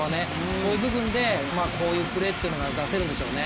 そういう部分でこういうプレーってのが出せるんでしょうね。